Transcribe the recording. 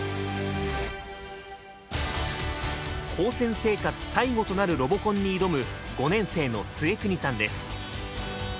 高専生活最後となるロボコンに挑む５年生の陶國さんです。